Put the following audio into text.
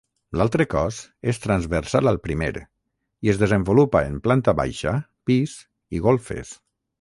L'altre cos és transversal al primer i es desenvolupa en planta baixa, pis i golfes.